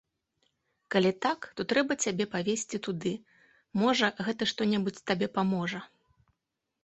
Калі так, то трэба цябе павесці туды, можа, гэта што-небудзь табе паможа!